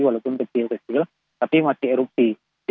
walaupun kecil kecil tapi masih erupsi